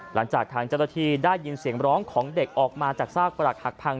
หลังจากทางเจ้าหน้าที่ได้ยินเสียงร้องของเด็กออกมาจากซากประหลักหักพัง